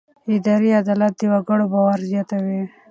اداري عدالت د وګړو باور زیاتوي.